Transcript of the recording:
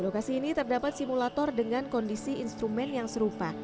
di lokasi ini terdapat simulator dengan kondisi instrumen yang serupa